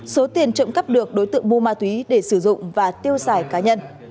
số tiền trộm cắp được đối tượng mua ma túy để sử dụng và tiêu xài cá nhân